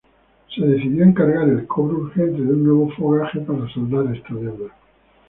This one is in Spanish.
Se decidió encargar el cobro urgente de un nuevo fogaje para saldar esta deuda.